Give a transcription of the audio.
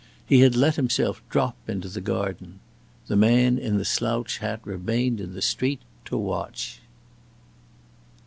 He had let himself drop into the garden. The man in the slouch hat remained in the street to watch.